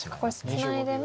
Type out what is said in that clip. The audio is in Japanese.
ツナいでも。